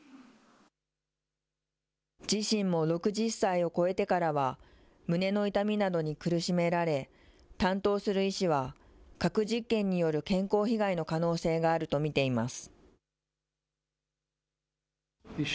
自身も６０歳を超えてからは、胸の痛みなどに苦しめられ、担当する医師は、核実験による健康被害の可能性があると見ています。